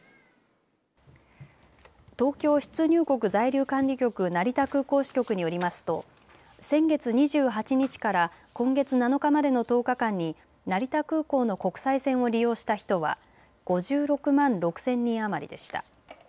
東京出入国在留管理局成田空港支局によりますと先月２８日から今月７日までの１０日間に成田空港の国際線を利用した人は５６万６０００人余りでした。